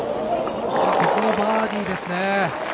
ここもバーディーですね。